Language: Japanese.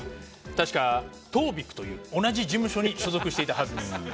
確かトービックという同じ事務所に所属していたはずです。